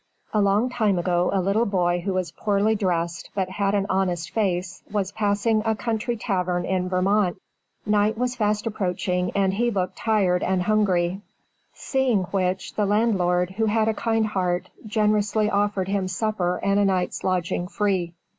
A long time ago a little boy who was poorly dressed, but had an honest face, was passing a country tavern in Vermont; night was fast approaching, and he looked tired and hungry; seeing which, the landlord, who had a kind heart, generously offered him supper and a nights' lodging free.